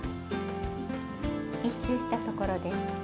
１周したところです。